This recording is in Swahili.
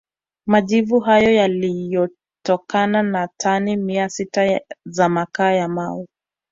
Majivu hayo yaliyotokana na tani mia sita za makaa ya mawe